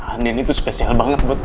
andin itu spesial banget buat gua